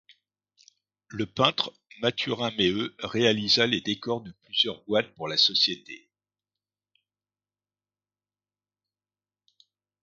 Le peintre Mathurin Méheut réalisa les décors de plusieurs boîtes pour la société.